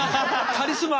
カリスマ。